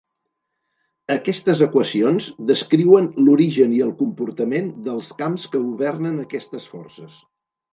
Aquestes equacions descriuen l'origen i el comportament dels camps que governen aquestes forces.